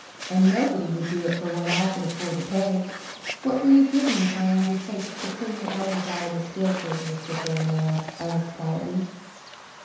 And nobody would do it for what I could afford to pay." "What will you give me if I undertake to clean the elders out of this field for you, Mr. Fillmore?" asked Ellis quietly.